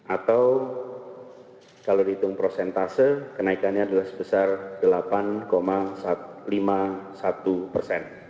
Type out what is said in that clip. atau kalau dihitung prosentase kenaikannya adalah sebesar delapan lima puluh satu persen